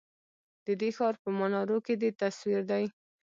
ددې ښار په منارو کی دی تصوير دی